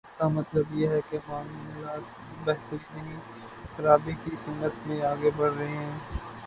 اس کا مطلب یہ ہے کہ معاملات بہتری نہیں، خرابی کی سمت میں آگے بڑھ رہے ہیں۔